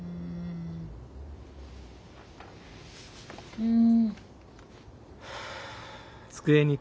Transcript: うん。